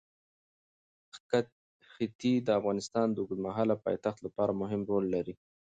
ښتې د افغانستان د اوږدمهاله پایښت لپاره مهم رول لري.